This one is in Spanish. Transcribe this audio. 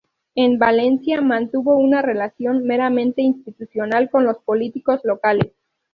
En Valencia mantuvo una relación meramente institucional con los políticos locales.